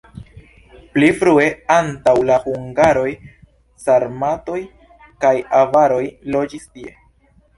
Pli frue antaŭ la hungaroj sarmatoj kaj avaroj loĝis tie.